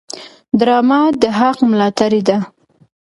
ډرامه د حق ملاتړې ده